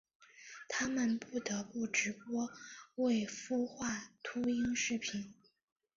他们不得不直播未孵化秃鹰视频。